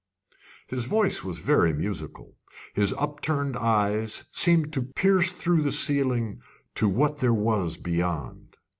His voice was very musical. His upturned eyes seemed to pierce through the ceiling to what there was beyond.